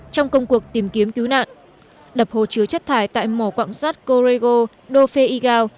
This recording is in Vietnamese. trong công cuộc tìm kiếm cứu nạn đập hồ chứa chất thải tại mỏ quảng sát corrego do feigao